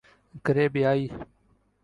کریبیائی